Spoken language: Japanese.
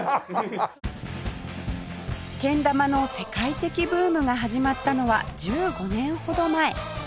けん玉の世界的ブームが始まったのは１５年ほど前